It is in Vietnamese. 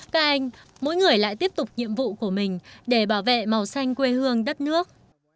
các anh mỗi người lại tiếp tục nhiệm vụ của mình để bảo vệ màu xanh quê hương đất nước